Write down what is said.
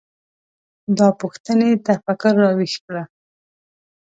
دا پوښتنې تفکر راویښ کړل.